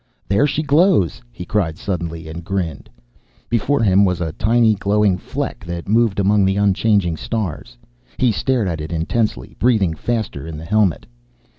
"There she glows!" he cried suddenly, and grinned. Before him was a tiny, glowing fleck, that moved among the unchanging stars. He stared at it intensely, breathing faster in the helmet.